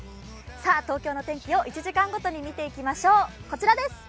東京の天気を１時間ごとに見ていきましょう。